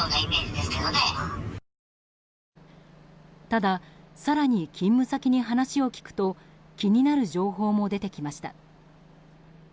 ただ、更に勤務先に話を聞くと気になる情報も出てきました。